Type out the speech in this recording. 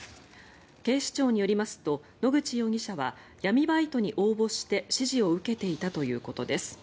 警視庁によりますと野口容疑者は闇バイトに応募して指示を受けていたということです。